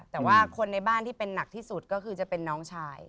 แต่ว่าคนในบ้านที่เป็นหนักที่สุดก็คือจะเป็นน้องชาย